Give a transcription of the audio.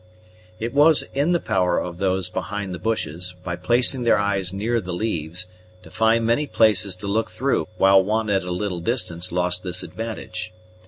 It was in the power of those behind the bushes, by placing their eyes near the leaves, to find many places to look through while one at a little distance lost this advantage.